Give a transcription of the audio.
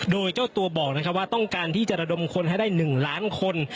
โดยเจ้าตัวบอกว่าต้องการที่จะระดมคนให้ได้๑ล้านคน